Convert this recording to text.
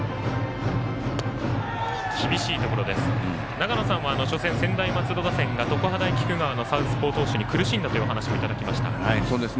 長野さんは初戦、専大松戸打線が常葉大菊川のサウスポー投手に苦しんだという話もいただきました。